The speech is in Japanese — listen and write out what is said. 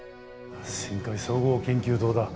深海総合研究棟だ。